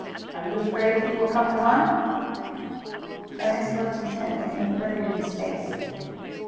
Are you afraid that you will come to harm?" Ernest looked intently in the brigand's face.